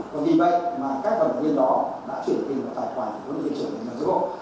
còn vì vậy mà các vận động viên đó đã chuyển được tiền vào tài khoản của huấn luyện viên trưởng huấn luyện giữa quốc